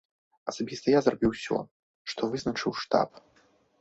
Асабіста я зрабіў усё, што вызначыў штаб.